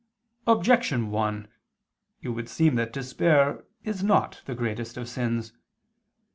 Objection 1: It would seem that despair is not the greatest of sins.